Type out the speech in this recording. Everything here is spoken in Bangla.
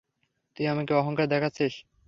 তুই আমাকে অহংকার দেখাচ্ছিস?